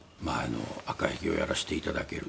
『赤ひげ』をやらせていただける。